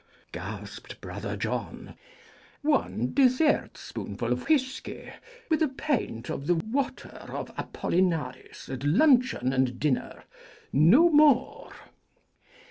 gasped Brother John) 'one dessert spoonful of whisky, with a pint of the water of Apollinaris at luncheon and dinner. No more!'